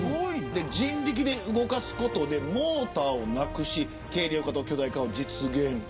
人力で動かすことでモーターをなくし軽量化と巨大化を実現。